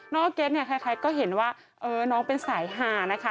น้องออร์เกรสคล้ายก็เห็นว่าน้องเป็นสายหานะคะ